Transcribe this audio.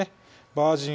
バージン